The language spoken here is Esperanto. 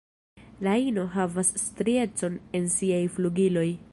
La ino havas striecon en siaj flugiloj.